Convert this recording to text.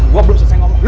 gue belum selesai ngomong